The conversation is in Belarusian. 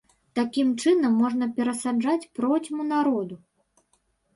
Такім чынам можна перасаджаць процьму народу!